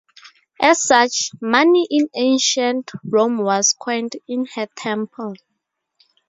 As such, money in ancient Rome was coined in her temple.